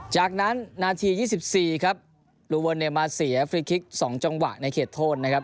จากนั้นนาที๒๔ครับลูเวิร์นเนี่ยมาเสียฟรีคลิก๒จังหวะในเขตโทษนะครับ